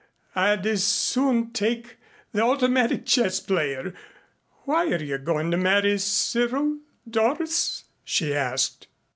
I'd as soon take the automatic chess player. Why are you going to marry Cyril, Doris?" she asked.